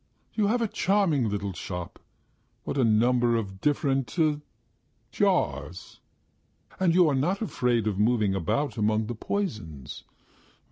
... You have a charming little shop! What a number of different ... jars! And you are not afraid of moving about among the poisons?